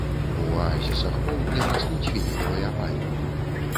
У аазісах поўдня растуць фінікавыя пальмы.